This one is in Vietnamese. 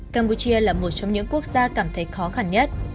campuchia là một trong những quốc gia cảm thấy khó khăn nhất